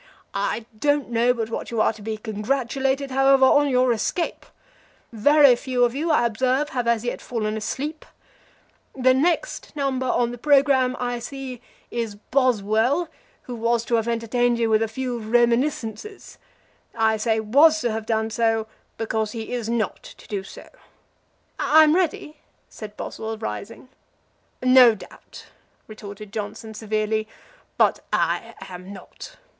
I don't know but what you are to be congratulated, however, on your escape. Very few of you, I observe, have as yet fallen asleep. The next number on the programme, I see, is Boswell, who was to have entertained you with a few reminiscences; I say was to have done so, because he is not to do so." "I'm ready," said Boswell, rising. "No doubt," retorted Johnson, severely, "but I am not.